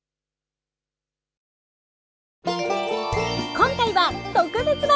今回は特別版。